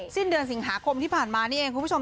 สิ้นเดือนสิงหาคมที่ผ่านมานี่เองคุณผู้ชม